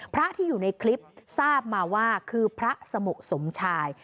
พระที่อยู่ในคลิปทราบมาว่าคือพระสมุสมชาย